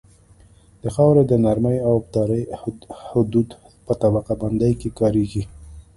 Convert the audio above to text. د خاورې د نرمۍ او ابدارۍ حدود په طبقه بندۍ کې کاریږي